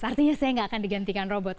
artinya saya nggak akan digantikan robot